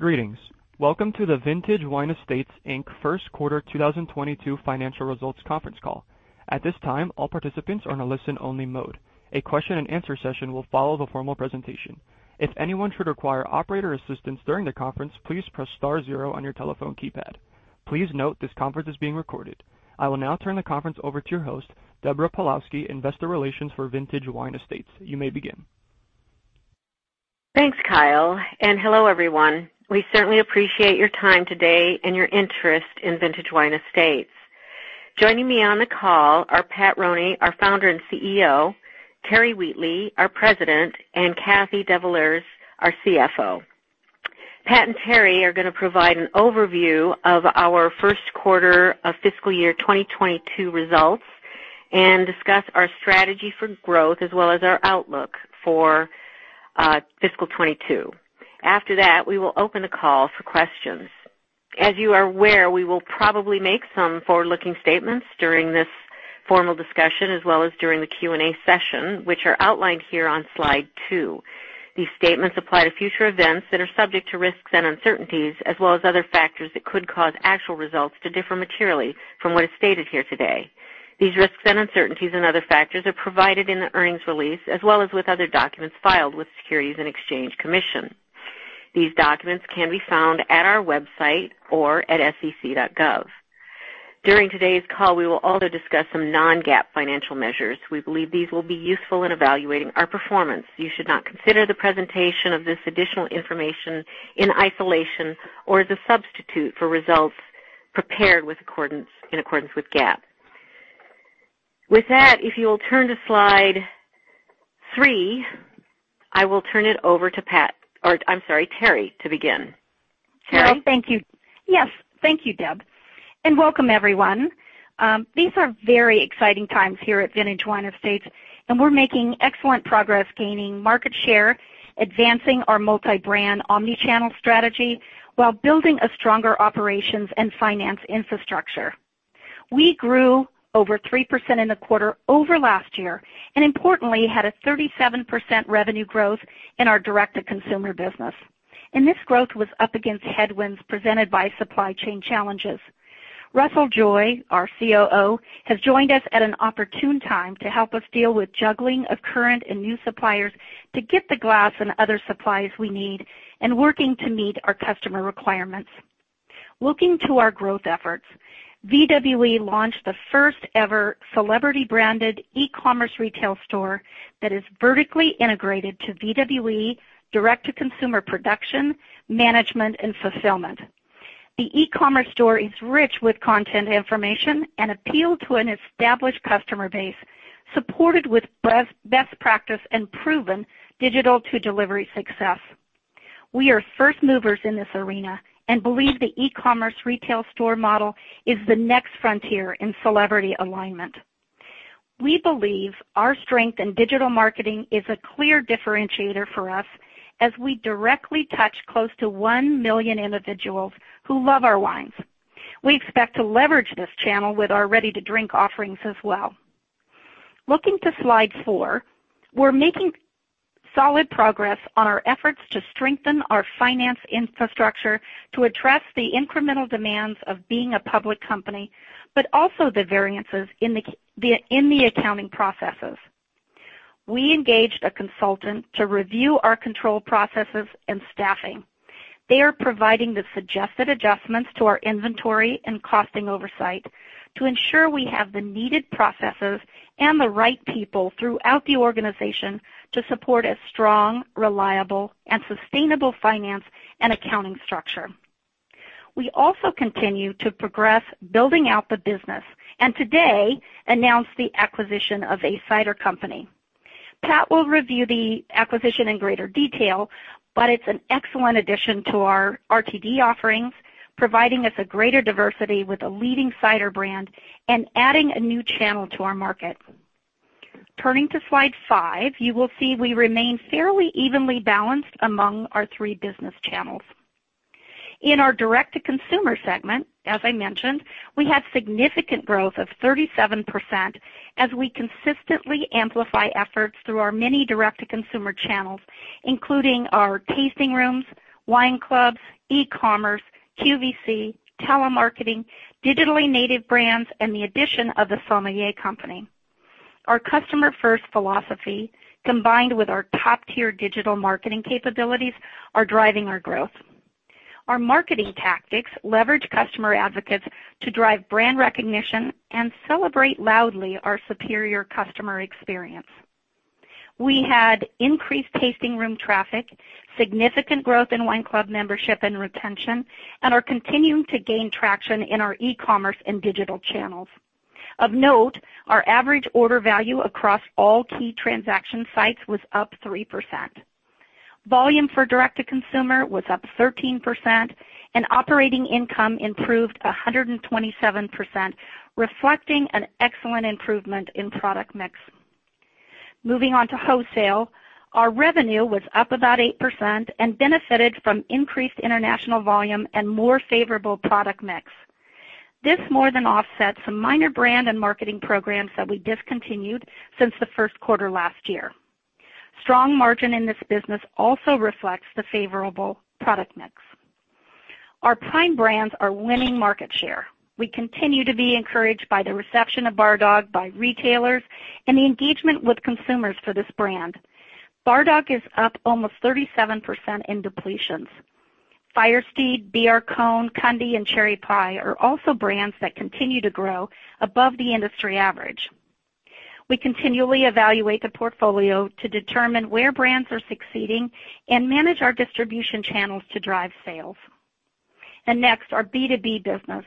Greetings. Welcome to the Vintage Wine Estates, Inc. First Quarter 2022 Financial Results Conference Call. At this time, all participants are in a listen-only mode. A Q&A session will follow the formal presentation. If anyone should require operator assistance during the conference, please press star zero on your telephone keypad. Please note this conference is being recorded. I will now turn the conference over to your host, Deborah Pawlowski, Investor Relations for Vintage Wine Estates. You may begin. Thanks, Kyle, and hello, everyone. We certainly appreciate your time today and your interest in Vintage Wine Estates. Joining me on the call are Pat Roney, our Founder and CEO, Terry Wheatley, our President, and Kathy DeVillers, our CFO. Pat and Terry are gonna provide an overview of our first quarter of fiscal year 2022 results and discuss our strategy for growth as well as our outlook for fiscal 2022. After that, we will open the call for questions. As you are aware, we will probably make some forward-looking statements during this formal discussion as well as during the Q&A session, which are outlined here on slide two. These statements apply to future events that are subject to risks and uncertainties, as well as other factors that could cause actual results to differ materially from what is stated here today. These risks and uncertainties and other factors are provided in the earnings release as well as with other documents filed with Securities and Exchange Commission. These documents can be found at our website or at sec.gov. During today's call, we will also discuss some non-GAAP financial measures. We believe these will be useful in evaluating our performance. You should not consider the presentation of this additional information in isolation or as a substitute for results prepared in accordance with GAAP. With that, if you will turn to slide three, I will turn it over to Pat- or I'm sorry, Terry, to begin. Terry? Hello. Thank you. Yes, thank you, Deb, and welcome everyone. These are very exciting times here at Vintage Wine Estates and we're making excellent progress gaining market share, advancing our multi-brand omni-channel strategy while building a stronger operations and finance infrastructure. We grew over 3% in the quarter over last year and importantly had a 37% revenue growth in our direct-to-consumer business, and this growth was up against headwinds presented by supply chain challenges. Russell Joy, our COO, has joined us at an opportune time to help us deal with juggling of current and new suppliers to get the glass and other supplies we need and working to meet our customer requirements. Looking to our growth efforts, VWE launched the first ever celebrity branded e-commerce retail store that is vertically integrated to VWE direct-to-consumer production, management and fulfillment. The e-commerce store is rich with content information and appeal to an established customer base, supported with best practice and proven digital to delivery success. We are first movers in this arena and believe the e-commerce retail store model is the next frontier in celebrity alignment. We believe our strength in digital marketing is a clear differentiator for us as we directly touch close to 1 million individuals who love our wines. We expect to leverage this channel with our ready-to-drink offerings as well. Looking at slide four, we're making solid progress on our efforts to strengthen our financial infrastructure to address the incremental demands of being a public company, but also the variances in the accounting processes. We engaged a consultant to review our control processes and staffing. They are providing the suggested adjustments to our inventory and costing oversight to ensure we have the needed processes and the right people throughout the organization to support a strong, reliable and sustainable finance and accounting structure. We also continue to progress building out the business and today announced the acquisition of a cider company. Pat will review the acquisition in greater detail, but it's an excellent addition to our RTD offerings, providing us a greater diversity with a leading cider brand and adding a new channel to our market. Turning to slide five, you will see we remain fairly evenly balanced among our three business channels. In our direct-to-consumer segment, as I mentioned, we had significant growth of 37% as we consistently amplify efforts through our many direct-to-consumer channels, including our tasting rooms, wine clubs, e-commerce, QVC, telemarketing, digitally native brands, and the addition of the Sommelier Company. Our customer-first philosophy, combined with our top-tier digital marketing capabilities, are driving our growth. Our marketing tactics leverage customer advocates to drive brand recognition and celebrate loudly our superior customer experience. We had increased tasting room traffic, significant growth in wine club membership and retention, and are continuing to gain traction in our e-commerce and digital channels. Of note, our average order value across all key transaction sites was up 3%. Volume for direct-to-consumer was up 13% and operating income improved 127%, reflecting an excellent improvement in product mix. Moving on to wholesale. Our revenue was up about 8% and benefited from increased international volume and more favorable product mix. This more than offsets some minor brand and marketing programs that we discontinued since the first quarter last year. Strong margin in this business also reflects the favorable product mix. Our prime brands are winning market share. We continue to be encouraged by the reception of Bar Dog by retailers and the engagement with consumers for this brand. Bar Dog is up almost 37% in depletions. Firesteed, B.R. Cohn, Kunde and Cherry Pie are also brands that continue to grow above the industry average. We continually evaluate the portfolio to determine where brands are succeeding and manage our distribution channels to drive sales. Next, our B2B business.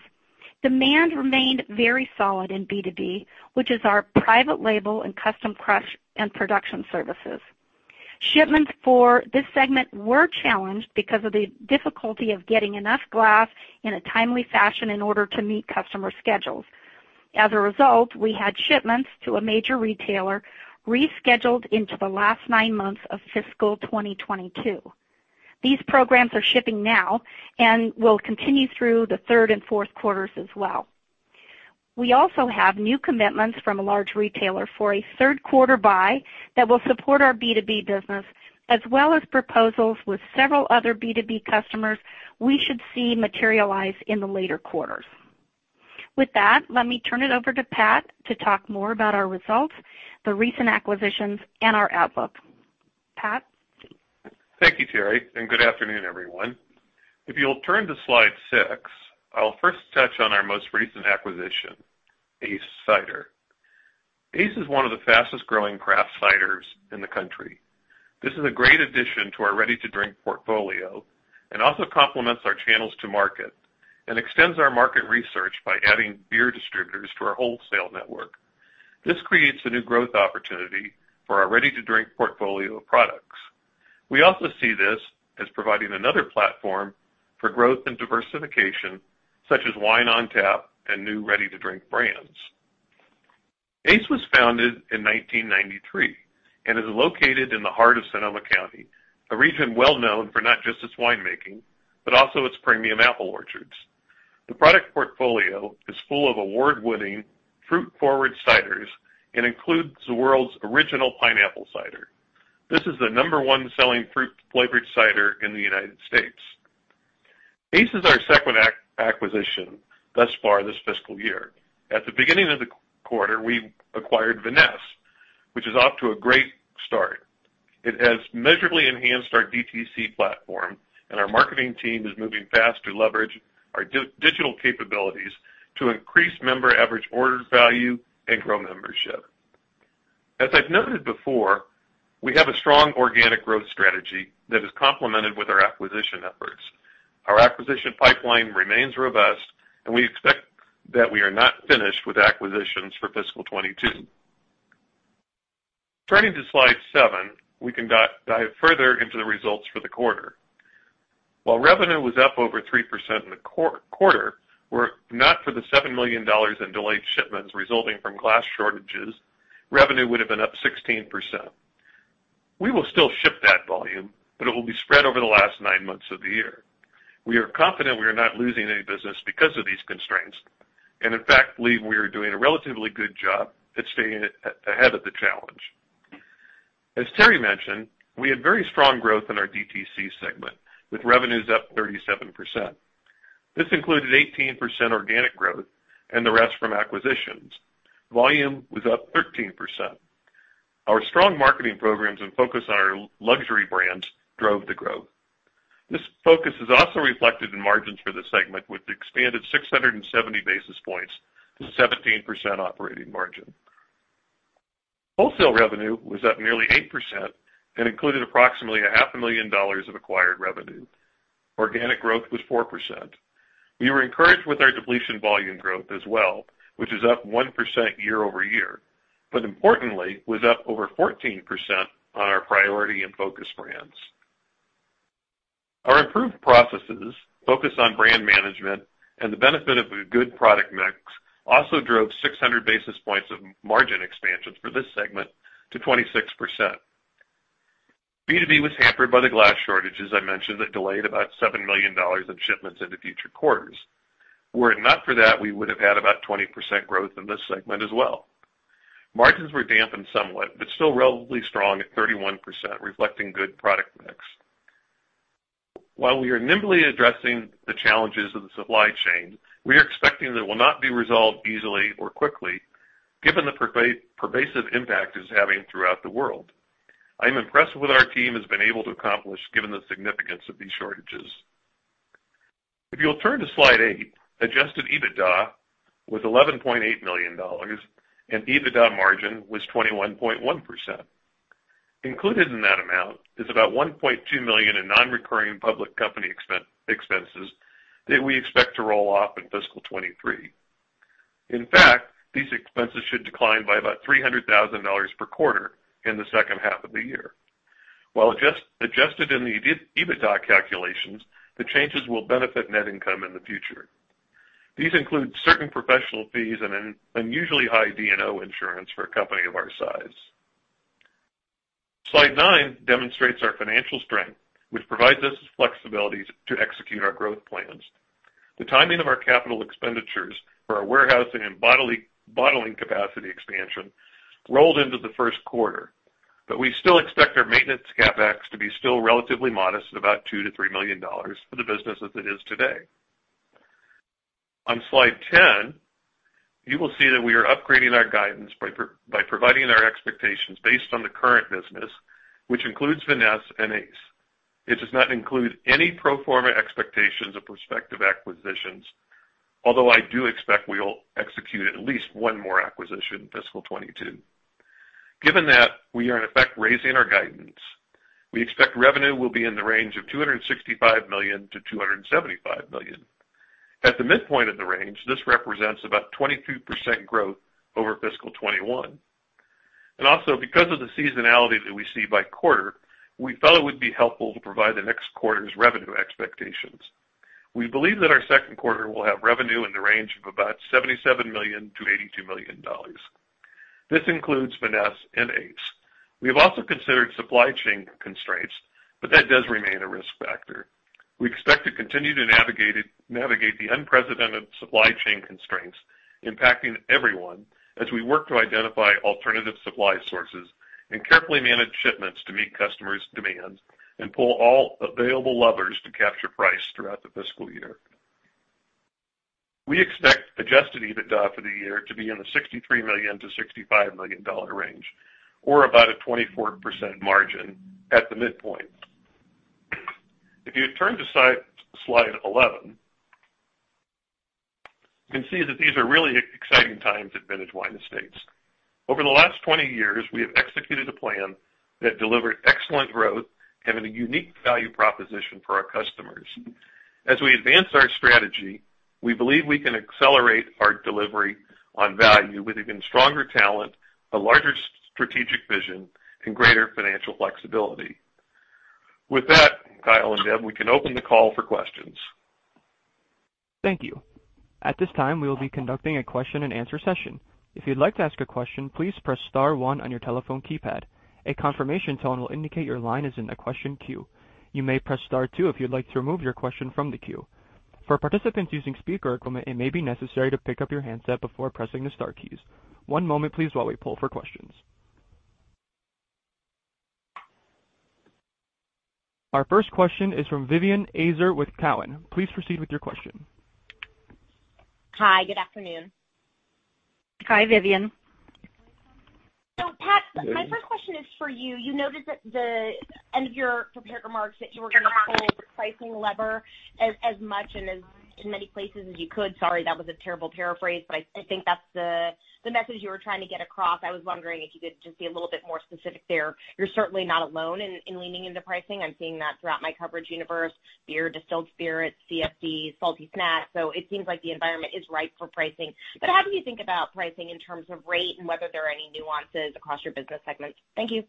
Demand remained very solid in B2B, which is our private label and custom crush and production services. Shipments for this segment were challenged because of the difficulty of getting enough glass in a timely fashion in order to meet customer schedules. As a result, we had shipments to a major retailer rescheduled into the last nine months of fiscal 2022. These programs are shipping now and will continue through the third and fourth quarters as well. We also have new commitments from a large retailer for a third quarter buy that will support our B2B business, as well as proposals with several other B2B customers we should see materialize in the later quarters. With that, let me turn it over to Pat to talk more about our results, the recent acquisitions and our outlook. Pat? Thank you, Terry, and good afternoon, everyone. If you'll turn to slide six, I'll first touch on our most recent acquisition, ACE Cider. ACE is one of the fastest-growing craft ciders in the country. This is a great addition to our ready-to-drink portfolio and also complements our channels to market and extends our market research by adding beer distributors to our wholesale network. This creates a new growth opportunity for our ready-to-drink portfolio of products. We also see this as providing another platform for growth and diversification, such as wine on tap and new ready-to-drink brands. ACE was founded in 1993 and is located in the heart of Sonoma County, a region well known for not just its winemaking, but also its premium apple orchards. The product portfolio is full of award-winning, fruit-forward ciders and includes the world's original pineapple cider. This is the number one selling fruit-flavored cider in the United States. ACE is our second acquisition thus far this fiscal year. At the beginning of the quarter, we acquired Vinesse, which is off to a great start. It has measurably enhanced our DTC platform, and our marketing team is moving fast to leverage our digital capabilities to increase member average order value and grow membership. As I've noted before, we have a strong organic growth strategy that is complemented with our acquisition efforts. Our acquisition pipeline remains robust, and we expect that we are not finished with acquisitions for fiscal 2022. Turning to slide seven, we can dive further into the results for the quarter. While revenue was up over 3% in the quarter, were it not for the $7 million in delayed shipments resulting from glass shortages, revenue would have been up 16%. We will still ship that volume, but it will be spread over the last nine months of the year. We are confident we are not losing any business because of these constraints, and in fact, believe we are doing a relatively good job at staying ahead of the challenge. As Terry mentioned, we had very strong growth in our DTC segment, with revenues up 37%. This included 18% organic growth and the rest from acquisitions. Volume was up 13%. Our strong marketing programs and focus on our luxury brands drove the growth. This focus is also reflected in margins for this segment, which expanded 670 basis points to 17% operating margin. Wholesale revenue was up nearly 8% and included approximately $0.5 million of acquired revenue. Organic growth was 4%. We were encouraged with our depletion volume growth as well, which is up 1% year-over-year, but importantly, was up over 14% on our priority and focus brands. Our improved processes focus on brand management, and the benefit of a good product mix also drove 600 basis points of margin expansion for this segment to 26%. B2B was hampered by the glass shortages I mentioned that delayed about $7 million in shipments into future quarters. Were it not for that, we would have had about 20% growth in this segment as well. Margins were dampened somewhat, but still relatively strong at 31%, reflecting good product mix. While we are nimbly addressing the challenges of the supply chain, we are expecting that it will not be resolved easily or quickly, given the pervasive impact it's having throughout the world. I am impressed with what our team has been able to accomplish given the significance of these shortages. If you'll turn to slide eight, adjusted EBITDA was $11.8 million, and EBITDA margin was 21.1%. Included in that amount is about $1.2 million in non-recurring public company expenses that we expect to roll off in fiscal 2023. In fact, these expenses should decline by about $300,000 per quarter in the second half of the year. While adjusted in the EBITDA calculations, the changes will benefit net income in the future. These include certain professional fees and an unusually high D&O insurance for a company of our size. Slide nine demonstrates our financial strength, which provides us with flexibility to execute our growth plans. The timing of our capital expenditures for our warehousing and bottling capacity expansion rolled into the first quarter. We still expect our maintenance CapEx to be still relatively modest at about $2 million-$3 million for the business as it is today. On slide 10, you will see that we are upgrading our guidance by providing our expectations based on the current business, which includes Vinesse and ACE. It does not include any pro forma expectations of prospective acquisitions, although I do expect we'll execute at least one more acquisition in fiscal 2022. Given that we are in effect raising our guidance, we expect revenue will be in the range of $265 million-$275 million. At the midpoint of the range, this represents about 22% growth over fiscal 2021. Because of the seasonality that we see by quarter, we felt it would be helpful to provide the next quarter's revenue expectations. We believe that our second quarter will have revenue in the range of about $77 million-$82 million. This includes Vinesse and ACE. We have also considered supply chain constraints, but that does remain a risk factor. We expect to continue to navigate the unprecedented supply chain constraints impacting everyone as we work to identify alternative supply sources and carefully manage shipments to meet customers' demands and pull all available levers to capture price throughout the fiscal year. We expect adjusted EBITDA for the year to be in the $63 million-$65 million range, or about a 24% margin at the midpoint. If you turn to slide 11, you can see that these are really exciting times at Vintage Wine Estates. Over the last 20 years, we have executed a plan that delivered excellent growth, having a unique value proposition for our customers. As we advance our strategy, we believe we can accelerate our delivery on value with even stronger talent, a larger strategic vision, and greater financial flexibility. With that, Kyle and Deb, we can open the call for questions. Thank you. At this time, we will be conducting a Q&A session. If you'd like to ask a question, please press star one on your telephone keypad. A confirmation tone will indicate your line is in the question queue. You may press star two if you'd like to remove your question from the queue. For participants using speaker equipment, it may be necessary to pick up your handset before pressing the star keys. One moment please while we poll for questions. Our first question is from Vivien Azer with Cowen. Please proceed with your question. Hi, good afternoon. Hi, Vivien. So Pat, my first question is for you. You noted that the end of your prepared remarks that you were gonna pull the pricing lever as much and as in many places as you could- sorry, that was a terrible paraphrase, but I think that's the message you were trying to get across. I was wondering if you could just be a little bit more specific there. You're certainly not alone in leaning into pricing. I'm seeing that throughout my coverage universe- beer, distilled spirits, CPGs, salty snacks. It seems like the environment is right for pricing. How do you think about pricing in terms of rate and whether there are any nuances across your business segments? Thank you.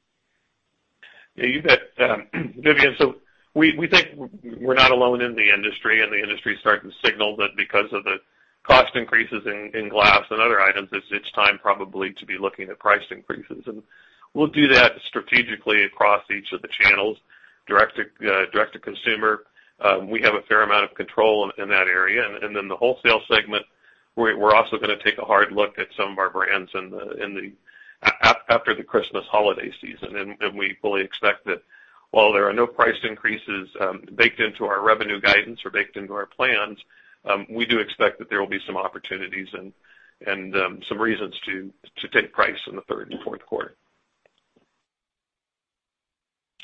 Yeah, you bet, Vivien. We think we're not alone in the industry, and the industry is starting to signal that because of the cost increases in glass and other items, it's time probably to be looking at price increases. We'll do that strategically across each of the channels. Direct-to-consumer, we have a fair amount of control in that area. Then the wholesale segment, we're also gonna take a hard look at some of our brands after the Christmas holiday season. We fully expect that while there are no price increases baked into our revenue guidance or baked into our plans, we do expect that there will be some opportunities and some reasons to take price in the third and fourth quarter.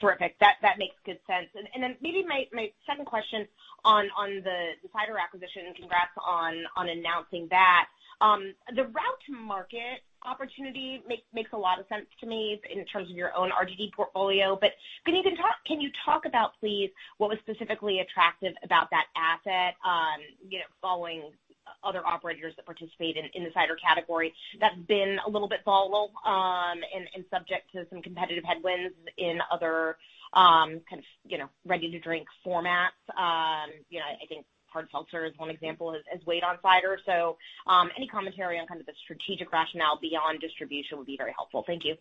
Terrific. That makes good sense. Then maybe my second question on the cider acquisition. Congrats on announcing that. The route to market opportunity makes a lot of sense to me in terms of your own RTD portfolio. But can you talk about, please, what was specifically attractive about that asset, you know, following other operators that participate in the cider category that's been a little bit volatile, and subject to some competitive headwinds in other, kind of, you know, ready-to-drink formats. You know, I think hard seltzer is one example, has weighed on cider. Any commentary on kind of the strategic rationale beyond distribution would be very helpful. Thank you.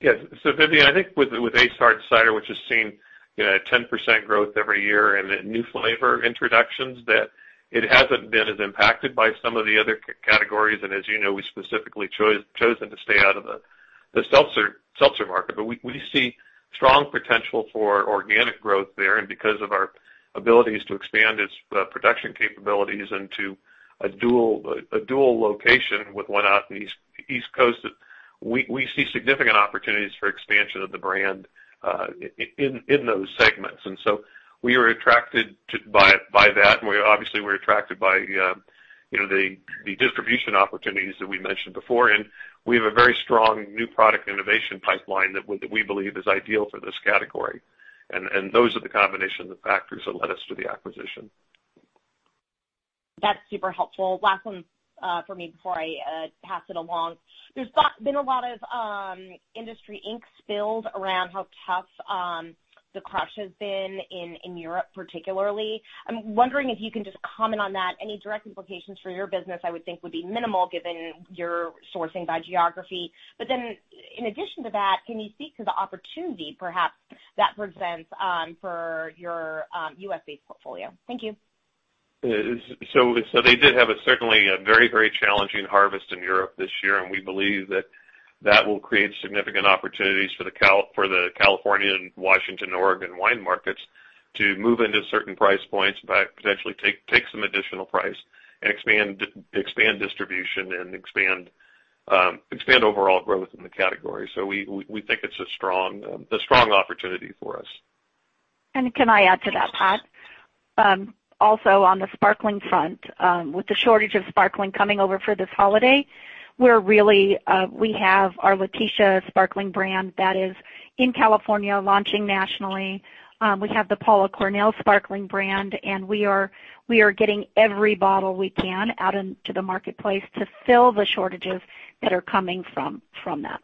Yes. Vivien, I think with ACE Hard Cider, which has seen, you know, 10% growth every year and the new flavor introductions, that it hasn't been as impacted by some of the other categories. As you know, we've specifically chosen to stay out of the seltzer market. We see strong potential for organic growth there. Because of our abilities to expand its production capabilities into a dual location with one out in the East Coast, we see significant opportunities for expansion of the brand in those segments. We were attracted by that- we obviously were attracted by, you know, the distribution opportunities that we mentioned before. We have a very strong new product innovation pipeline that we believe is ideal for this category. Those are the combination of factors that led us to the acquisition. That's super helpful. Last one for me before I pass it along. There's been a lot of industry ink spilled around how tough the crush has been in Europe, particularly. I'm wondering if you can just comment on that- any direct implications for your business, I would think would be minimal given your sourcing by geography. In addition to that, can you speak to the opportunity perhaps that presents for your U.S.-based portfolio? Thank you. They did have certainly a very challenging harvest in Europe this year, and we believe that will create significant opportunities for the California and Washington, Oregon wine markets to move into certain price points, but potentially take some additional price and expand distribution and expand overall growth in the category. We think it's a strong opportunity for us. Can I add to that, Pat? Also on the sparkling front, with the shortage of sparkling coming over for this holiday, we're really, we have our Laetitia sparkling brand that is in California launching nationally. We have the Paul Cheneau sparkling brand, and we are getting every bottle we can out into the marketplace to fill the shortages that are coming from that.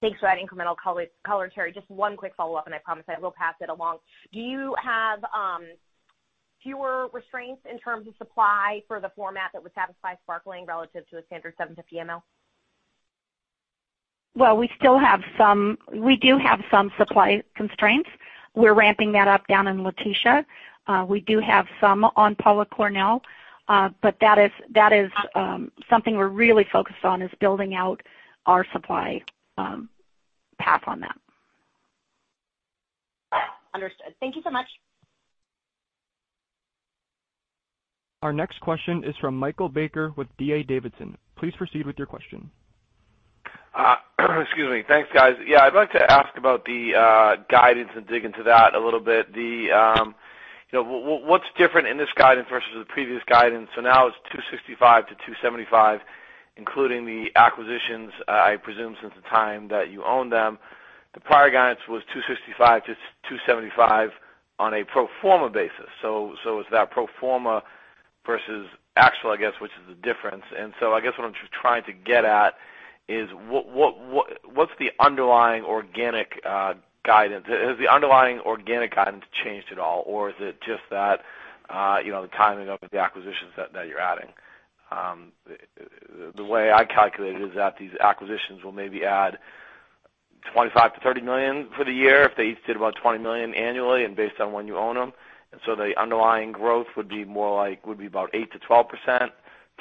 Thanks for that incremental color, Terry. Just one quick follow-up, and I promise I will pass it along. Do you have fewer restraints in terms of supply for the format that would satisfy sparkling relative to a standard 750 mL? Well, we do have some supply constraints. We're ramping that up down in Laetitia. We do have some on Paul Cheneau, but that is something we're really focused on, is building out our supply path on that. Understood. Thank you so much. Our next question is from Michael Baker with D.A. Davidson. Please proceed with your question. Excuse me. Thanks, guys. Yeah, I'd like to ask about the guidance and dig into that a little bit. You know, what's different in this guidance versus the previous guidance? So now it's $265-$275, including the acquisitions, I presume, since the time that you owned them. The prior guidance was $265-$275 on a pro forma basis. So it's that pro forma versus actual, I guess, which is the difference. I guess what I'm just trying to get at is what's the underlying organic guidance? Has the underlying organic guidance changed at all, or is it just that, you know, the timing of the acquisitions that you're adding? The way I calculated is that these acquisitions will maybe add $25 million-$30 million for the year if they each did about $20 million annually and based on when you own them. The underlying growth would be more like about 8%-12%,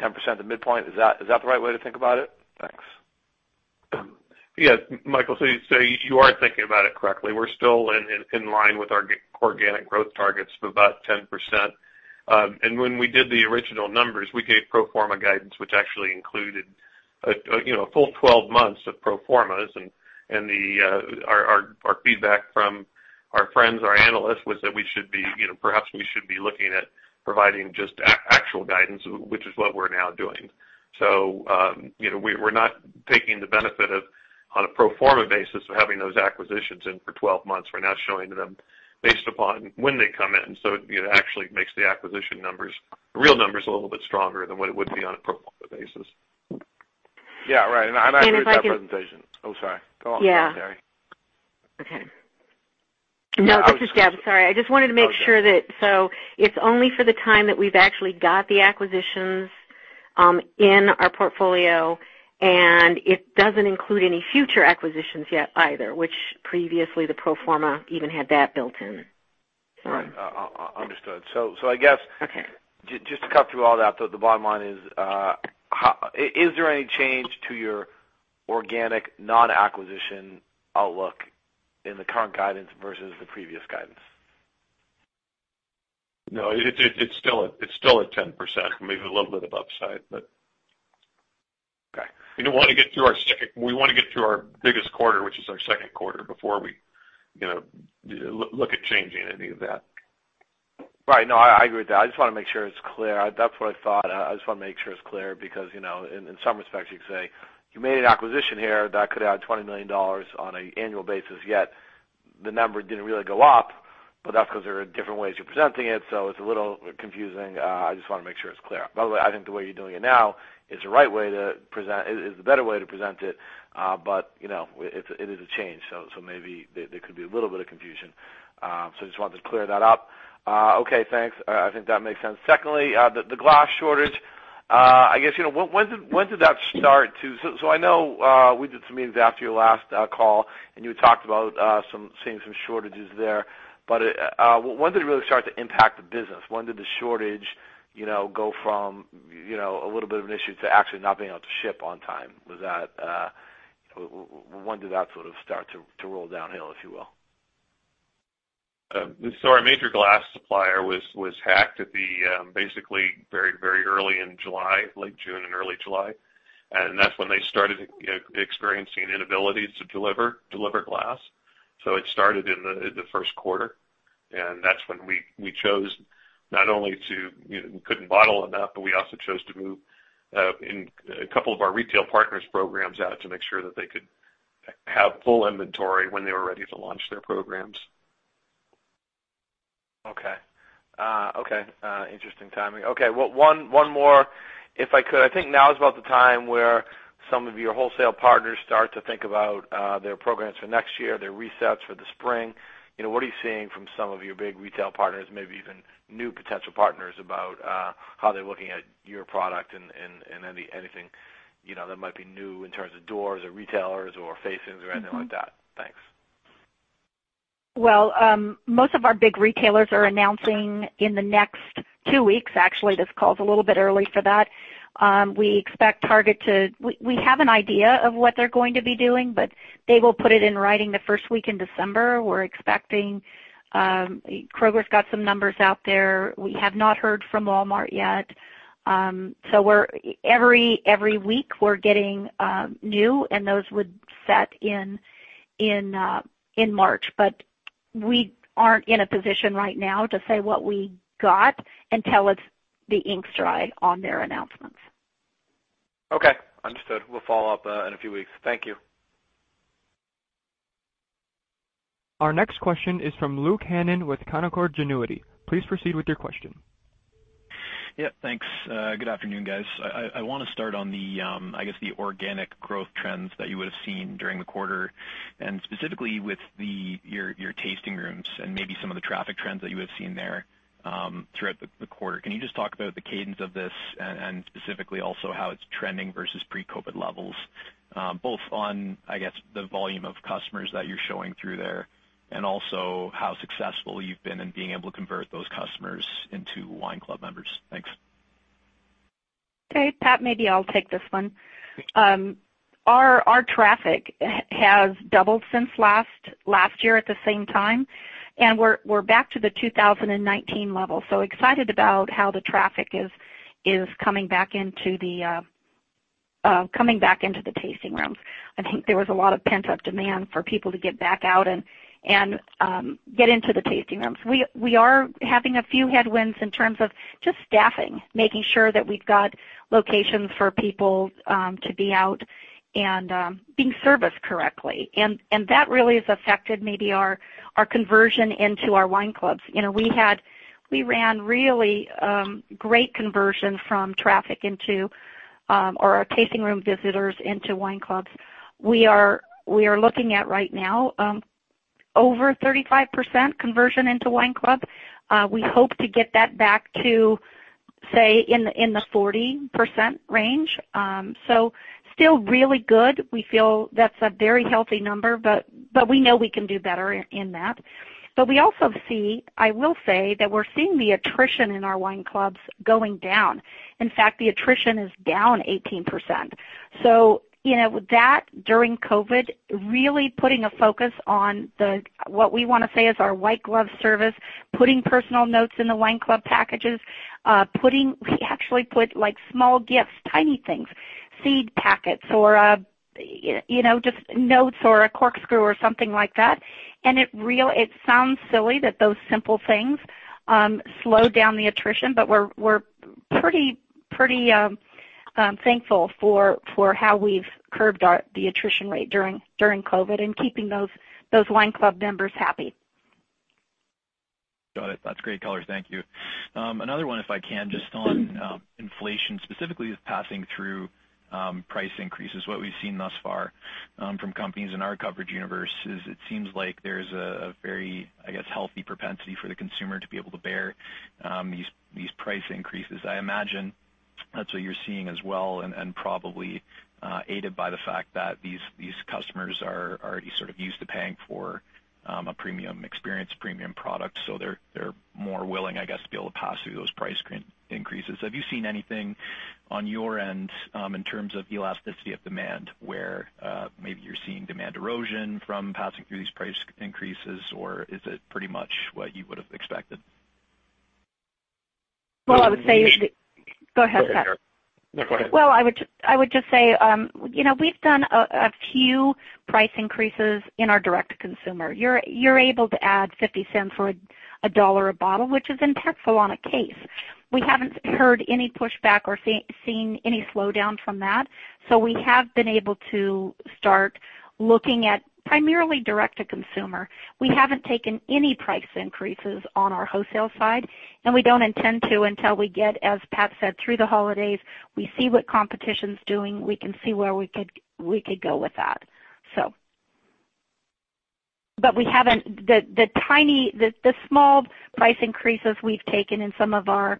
10% at the midpoint. Is that the right way to think about it? Thanks. Yeah, Michael, so you are thinking about it correctly. We're still in line with our organic growth targets of about 10%. When we did the original numbers, we gave pro forma guidance, which actually included you know, a full 12 months of pro forma. The feedback from our friends, our analysts, was that we should be, you know, perhaps we should be looking at providing just actual guidance, which is what we're now doing. You know, we're not taking the benefit of, on a pro forma basis of having those acquisitions in for 12 months. We're now showing them based upon when they come in- it, you know, actually makes the acquisition numbers, the real numbers a little bit stronger than what it would be on a pro forma basis. Yeah. Right. And if I can- I'd agree with that presentation. Oh, sorry. Go on... Yeah. ...Terry. Okay. No, this is Deb. Sorry. I just wanted to make sure that, so it's only for the time that we've actually got the acquisitions in our portfolio, and it doesn't include any future acquisitions yet either, which previously the pro forma even had that built in. Right. Understood. I guess- just to cut through all that, the bottom line is there any change to your organic non-acquisition outlook in the current guidance versus the previous guidance? No, it's still at 10%, maybe a little bit of upside, but... Okay. We wanna get through our biggest quarter, which is our second quarter, before we, you know, look at changing any of that. Right. No, I agree with that. I just wanna make sure it's clear. That's what I thought. I just wanna make sure it's clear because, you know, in some respects you could say you made an acquisition here that could add $20 million on an annual basis, yet the number didn't really go up, but that's 'cause there are different ways you're presenting it, so it's a little confusing. I just wanna make sure it's clear. By the way, I think the way you're doing it now is the right way to present it, is the better way to present it. You know, it is a change. Maybe there could be a little bit of confusion. Just wanted to clear that up. Okay, thanks. I think that makes sense. Secondly, the glass shortage, I guess, you know. So I know we did some meetings after your last call, and you talked about seeing some shortages there, but when did it really start to impact the business? When did the shortage, you know, go from, you know, a little bit of an issue to actually not being able to ship on time? Was that when it started to roll downhill, if you will? Our major glass supplier was hacked basically very early in July- late June and early July. That's when they started experiencing inabilities to deliver glass. It started in the first quarter, and that's when we chose not only to, you know, we couldn't bottle enough, but we also chose to move in a couple of our retail partners programs out to make sure that they could have full inventory when they were ready to launch their programs. Okay. Okay, interesting timing. Okay. Well, one more, if I could. I think now is about the time where some of your wholesale partners start to think about their programs for next year, their resets for the spring. You know, what are you seeing from some of your big retail partners, maybe even new potential partners, about how they're looking at your product and anything, you know, that might be new in terms of doors or retailers or facings or anything like that? Thanks. Well, most of our big retailers are announcing in the next two weeks. Actually, this call's a little bit early for that. We have an idea of what they're going to be doing, but they will put it in writing the first week in December. We're expecting- Kroger's got some numbers out there. We have not heard from Walmart yet. So every week we're getting new, and those would set in in March. But we aren't in a position right now to say what we got until the ink's dried on their announcements. Okay. Understood. We'll follow up in a few weeks. Thank you. Our next question is from Luke Hannan with Canaccord Genuity. Please proceed with your question. Yeah. Thanks. Good afternoon, guys. I wanna start on the, I guess, the organic growth trends that you would've seen during the quarter, and specifically with your tasting rooms and maybe some of the traffic trends that you have seen there, throughout the quarter. Can you just talk about the cadence of this and specifically also how it's trending versus pre-COVID levels, both on the volume of customers that you're showing through there, and also how successful you've been in being able to convert those customers into Wine Club members? Thanks. Okay. Pat, maybe I'll take this one. Our traffic has doubled since last year at the same time, and we're back to the 2019 level, so excited about how the traffic is coming back into the tasting rooms. I think there was a lot of pent-up demand for people to get back out and get into the tasting rooms. We are having a few headwinds in terms of just staffing, making sure that we've got locations for people to be out and being serviced correctly, and that really has affected maybe our conversion into our Wine Clubs. You know, we ran really great conversion from traffic into our tasting room visitors into Wine Clubs. We are looking at right now over 35% conversion into Wine Club. We hope to get that back to, say, the 40% range. Still really good. We feel that's a very healthy number, but we know we can do better in that. We also see, I will say, that we're seeing the attrition in our Wine Clubs going down. In fact, the attrition is down 18%. You know, that during COVID, really putting a focus on the, what we wanna say is our white glove service, putting personal notes in the Wine Club packages, putting- we actually put, like, small gifts, tiny things, seed packets or, you know, just notes or a corkscrew or something like that, and it sounds silly that those simple things slowed down the attrition, but we're pretty thankful for how we've curbed the attrition rate during COVID and keeping those Wine Club members happy. Got it. That's great color. Thank you. Another one, if I can, just on inflation, specifically with passing through price increases. What we've seen thus far from companies in our coverage universe is it seems like there's a very, I guess, healthy propensity for the consumer to be able to bear these price increases. I imagine that's what you're seeing as well, and probably aided by the fact that these customers are already sort of used to paying for a premium experience, premium product, so they're more willing, I guess, to be able to pass through those price increases. Have you seen anything on your end in terms of elasticity of demand where maybe you're seeing demand erosion from passing through these price increases, or is it pretty much what you would've expected? Well, I would say. Well, we Go ahead, Pat. Go ahead, Terry. No, go ahead. Well, I would just say, you know, we've done a few price increases in our direct-to-consumer. You're able to add $0.50 or $1 a bottle, which is impactful on a case. We haven't heard any pushback or seen any slowdown from that, so we have been able to start looking at primarily direct-to-consumer. We haven't taken any price increases on our wholesale side, and we don't intend to until we get, as Pat said, through the holidays, we see what competition's doing, we can see where we could go with that. But we haven't- the small price increases we've taken in some of our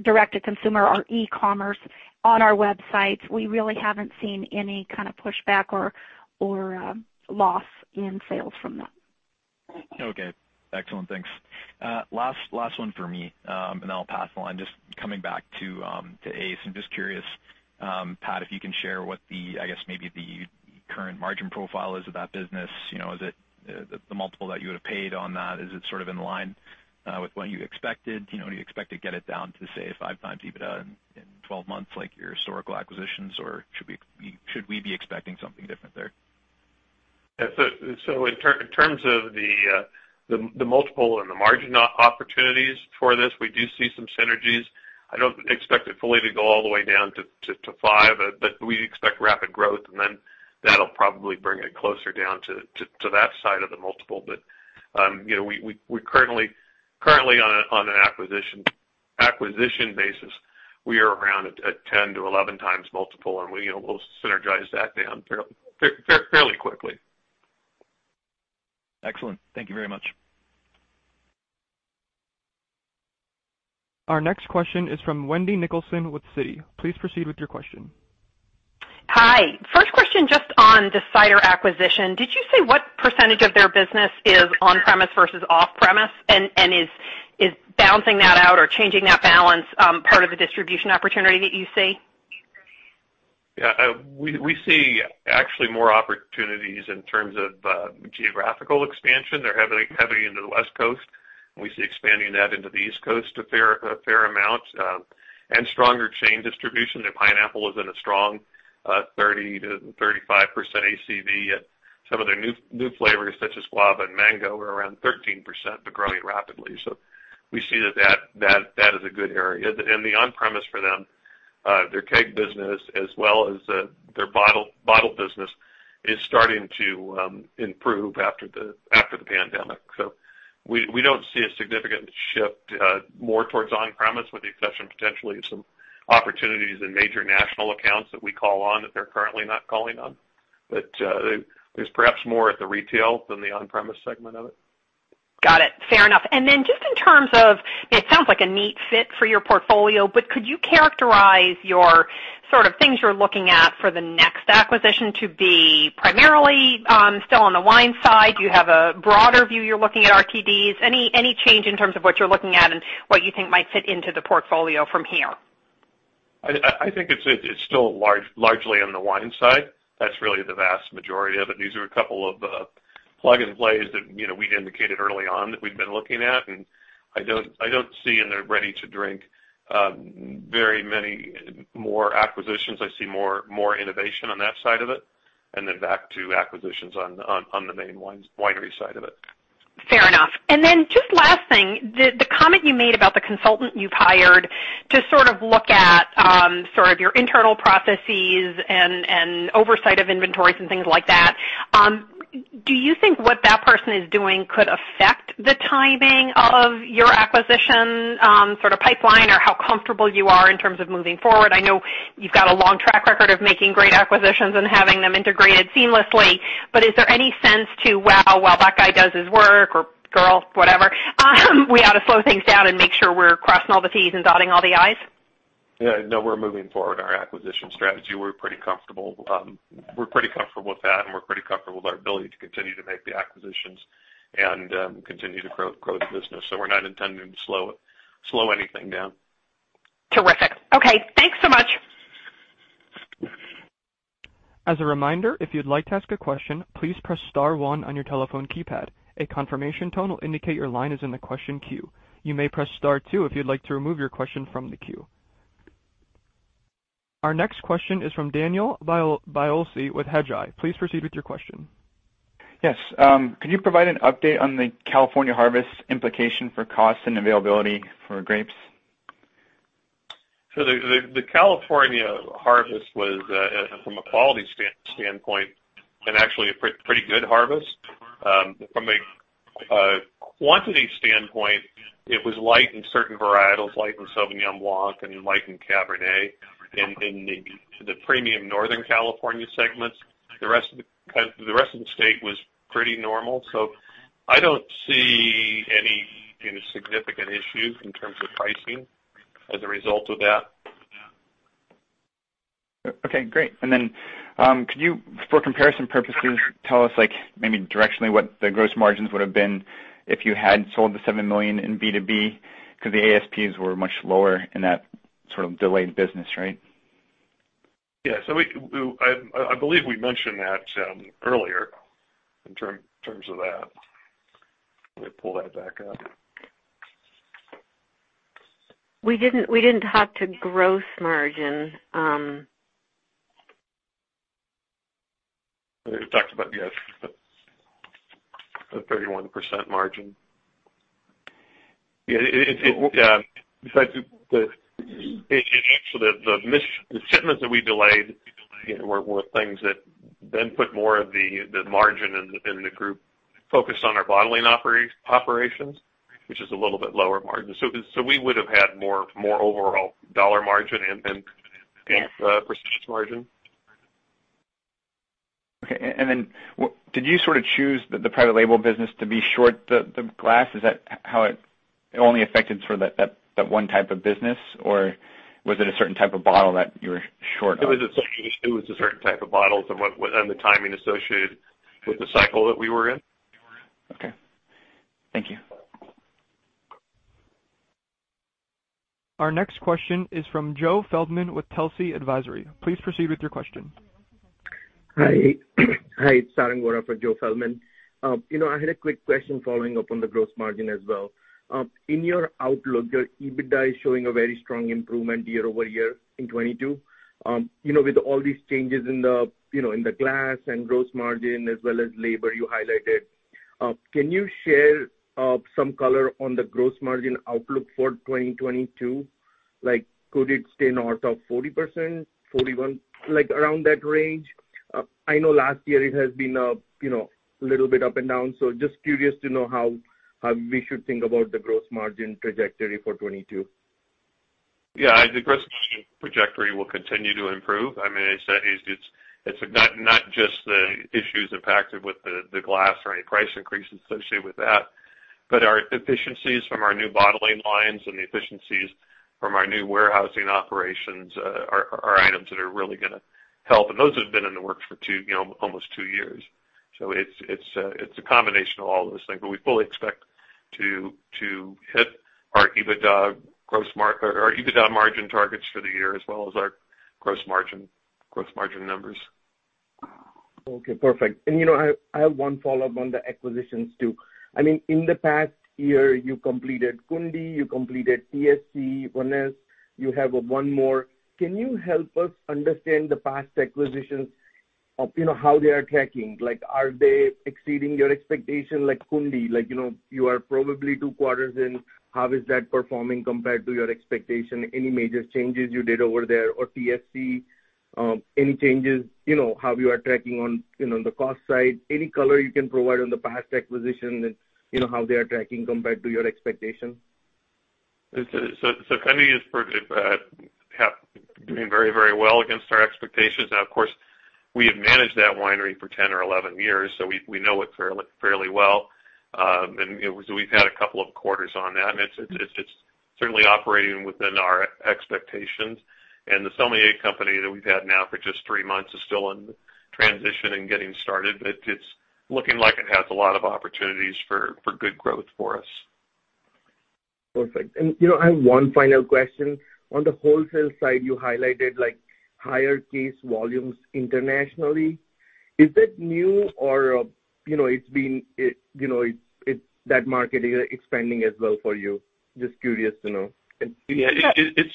direct-to-consumer, our e-commerce on our websites, we really haven't seen any kind of pushback or loss in sales from that. Okay. Excellent. Thanks. Last one for me, and then I'll pass along. Just coming back to ACE. I'm just curious, Pat, if you can share what the, I guess, maybe the current margin profile is of that business. You know, is it the multiple that you would've paid on that, is it sort of in line with what you expected? You know, do you expect to get it down to, say, 5x EBITDA in 12 months like your historical acquisitions, or should we be expecting something different there? In terms of the multiple and the margin opportunities for this, we do see some synergies. I don't expect it fully to go all the way down to 5x, but we expect rapid growth, and then that'll probably bring it closer down to that side of the multiple. You know, we are currently on an acquisition basis around at 10x to 11x multiple, and you know, we'll synergize that down fairly quickly. Excellent. Thank you very much. Our next question is from Wendy Nicholson with Citi. Please proceed with your question. Hi. First question just on the cider acquisition. Did you say what percentage of their business is on-premise versus off-premise? Is balancing that out or changing that balance part of the distribution opportunity that you see? Yeah. We see actually more opportunities in terms of geographical expansion. They're heavy into the West Coast, and we see expanding that into the East Coast a fair amount, and stronger chain distribution. Their pineapple is in a strong 30%-35% ACB, and some of their new flavors, such as guava and mango, are around 13%, but growing rapidly. We see that is a good area. The on-premise for them, their keg business as well as their bottle business is starting to improve after the pandemic. We don't see a significant shift more towards on-premise with the exception potentially of some opportunities in major national accounts that we call on that they're currently not calling on. There's perhaps more at the retail than the on-premise segment of it. Got it. Fair enough. Just in terms of it sounds like a neat fit for your portfolio, but could you characterize your sort of things you're looking at for the next acquisition to be primarily still on the wine side? Do you have a broader view you're looking at RTDs? Any change in terms of what you're looking at and what you think might fit into the portfolio from here? I think it's still largely on the wine side. That's really the vast majority of it. These are a couple of plug and plays that, you know, we'd indicated early on that we've been looking at. I don't see in the ready to drink very many more acquisitions. I see more innovation on that side of it, and then back to acquisitions on the main winery side of it. Fair enough. Then just last thing, the comment you made about the consultant you've hired to sort of look at sort of your internal processes and oversight of inventories and things like that, do you think what that person is doing could affect the timing of your acquisition sort of pipeline or how comfortable you are in terms of moving forward? I know you've got a long track record of making great acquisitions and having them integrated seamlessly, but is there any sense to, well, while that guy does his work or girl, whatever, we ought to slow things down and make sure we're crossing all the Ts and dotting all the Is? Yeah, no, we're moving forward in our acquisition strategy. We're pretty comfortable. We're pretty comfortable with that, and we're pretty comfortable with our ability to continue to make the acquisitions and continue to grow the business. So we're not intending to slow anything down. Terrific. Okay, thanks so much. As a reminder, if you'd like to ask a question, please press star one on your telephone keypad. A confirmation tone will indicate your line is in the question queue. You may press star two if you'd like to remove your question from the queue. Our next question is from Daniel Biolsi with Hedgeye. Please proceed with your question. Yes. Could you provide an update on the California harvest implication for cost and availability for grapes? The California harvest was from a quality standpoint and actually a pretty good harvest. From a quantity standpoint, it was light in certain varietals, light in Sauvignon Blanc and light in Cabernet in the premium Northern California segments. The rest of the state was pretty normal. I don't see any significant issues in terms of pricing as a result of that. Okay, great. Could you, for comparison purposes, tell us, like maybe directionally what the gross margins would have been if you had sold the $7 million in B2B? 'Cause the ASPs were much lower in that sort of delayed business, right? Yeah. We believe we mentioned that earlier in terms of that. Let me pull that back up. We didn't talk about gross margin. We talked about the [ASP], the 31% margin. Yeah, in fact, actually, the shipments that we delayed were things that then put more of the margin in the group focused on our bottling operations, which is a little bit lower margin. We would have had more overall dollar margin and percentage margin. Okay. Did you sort of choose the private label business to be short the glass? Is that how it only affected sort of that one type of business? Or was it a certain type of bottle that you were short of? It was a certain type of bottle and the timing associated with the cycle that we were in. Okay. Thank you. Our next question is from Joe Feldman with Telsey Advisory. Please proceed with your question. Hi- Hi, it's Sarang Vora for Joe Feldman. You know, I had a quick question following up on the gross margin as well. In your outlook, your EBITDA is showing a very strong improvement year-over-year in 2022. You know, with all these changes in the glass and gross margin as well as labor you highlighted. Can you share some color on the gross margin outlook for 2022? Like, could it stay north of 40%, 41%? Like around that range? I know last year it has been you know, a little bit up and down, so just curious to know how we should think about the gross margin trajectory for 2022. Yeah. The gross margin trajectory will continue to improve. I mean, it's not just the issues impacted with the glass or any price increases associated with that, but our efficiencies from our new bottling lines and the efficiencies from our new warehousing operations are items that are really gonna help. Those have been in the works for two, you know, almost two years. It's a combination of all those things, but we fully expect to hit our EBITDA margin targets for the year as well as our gross margin numbers. Okay, perfect. You know, I have one follow-up on the acquisitions too. I mean, in the past year you completed Kunde, you completed TSC, Vinesse, you have one more. Can you help us understand the past acquisitions of, you know, how they are tracking? Like, are they exceeding your expectation like Kunde? Like, you know, you are probably two quarters in, how is that performing compared to your expectation? Any major changes you did over there? Or TSC, any changes, you know, how you are tracking on, you know, the cost side? Any color you can provide on the past acquisition and, you know, how they are tracking compared to your expectation? Kunde is doing very well against our expectations. Now, of course, we have managed that winery for 10 or 11 years, so we know it fairly well. We've had a couple of quarters on that, and it's certainly operating within our expectations. The Sommelier Company that we've had now for just three months is still in transition and getting started, but it's looking like it has a lot of opportunities for good growth for us. Perfect. You know, I have one final question. On the wholesale side, you highlighted like higher case volumes internationally. Is that new or, you know, it's been, you know, it's that market is expanding as well for you? Just curious to know. Yeah. It's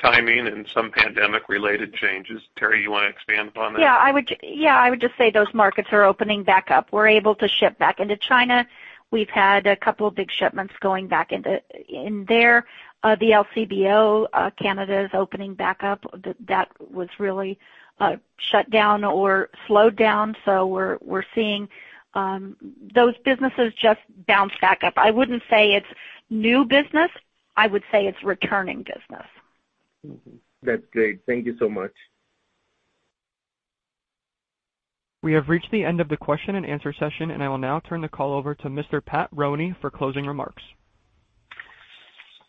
timing and some pandemic-related changes. Terry, you wanna expand upon that? Yeah, I would just say those markets are opening back up. We're able to ship back into China. We've had a couple of big shipments going back into, in there. The LCBO, Canada is opening back up. That was really shut down or slowed down, so we're seeing those businesses just bounce back up. I wouldn't say it's new business, I would say it's returning business. That's great. Thank you so much. We have reached the end of the question and answer session, and I will now turn the call over to Mr. Pat Roney for closing remarks.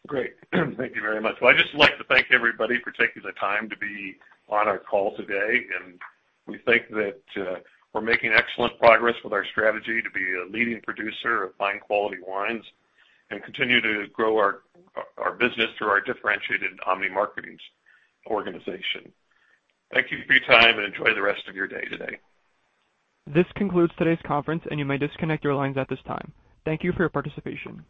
Great. Thank you very much. Well, I'd just like to thank everybody for taking the time to be on our call today, and we think that, we're making excellent progress with our strategy to be a leading producer of fine quality wines and continue to grow our business through our differentiated omni-marketing organization. Thank you for your time, and enjoy the rest of your day today. This concludes today's conference, and you may disconnect your lines at this time. Thank you for your participation.